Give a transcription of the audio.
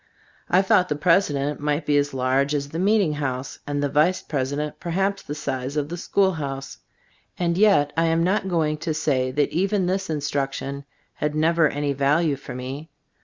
I thought the president might be as large as the meeting house, and the vice president perhaps the size of the school house. And yet I am not go ing to say that even this instruction had never any value for me.